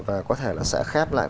và có thể sẽ khép lại